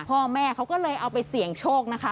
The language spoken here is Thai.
พ่อแม่เขาก็เลยเอาไปเสี่ยงโชคนะคะ